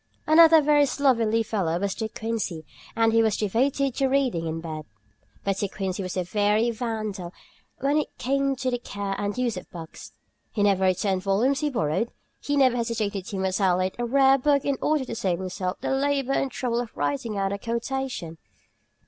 Another very slovenly fellow was De Quincey, and he was devoted to reading in bed. But De Quincey was a very vandal when it came to the care and use of books. He never returned volumes he borrowed, and he never hesitated to mutilate a rare book in order to save himself the labor and trouble of writing out a quotation.